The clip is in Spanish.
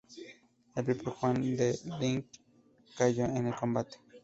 El propio Juan de Ligne cayó en el combate.